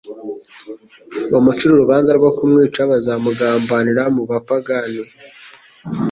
bamucire urubanza rwo kumwica, bazamugambanira mu bapagane,